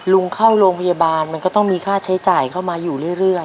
เข้าโรงพยาบาลมันก็ต้องมีค่าใช้จ่ายเข้ามาอยู่เรื่อย